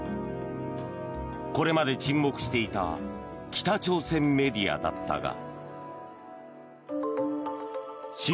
これまで沈黙していた北朝鮮メディアだったが。